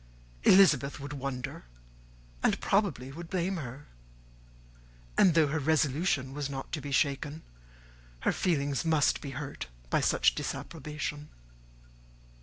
Elizabeth would wonder, and probably would blame her; and though her resolution was not to be shaken, her feelings must be hurt by such a disapprobation.